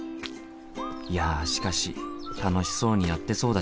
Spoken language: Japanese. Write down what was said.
いやしかし楽しそうにやってそうだしな。